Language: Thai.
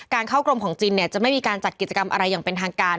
เข้ากรมของจีนจะไม่มีการจัดกิจกรรมอะไรอย่างเป็นทางการ